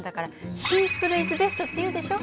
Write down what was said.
シンプルイズベストっていうでしょ。